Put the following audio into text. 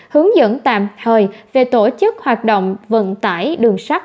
hướng dẫn tạm thời về tổ chức hoạt động vận tải đường sắt